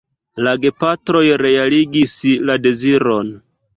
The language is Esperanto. La gepatroj realigis la deziron.